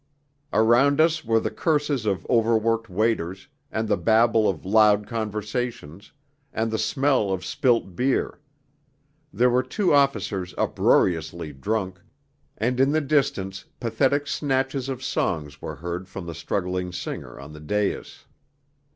Around us were the curses of overworked waiters, and the babble of loud conversations, and the smell of spilt beer; there were two officers uproariously drunk, and in the distance pathetic snatches of songs were heard from the struggling singer on the dais.